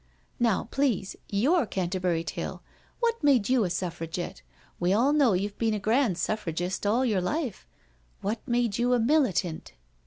Now, please, your Canter bury tale — what made you a Suffragette? We all know you've been a grand Suffragist all your life — what made you a Militant?"